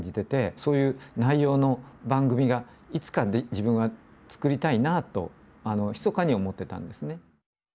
そういう内容の番組がいつか自分が作りたいなとひそかに思ってたんですね。